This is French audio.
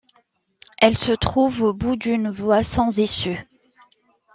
Elle se trouve au bout d'une voie sans issue.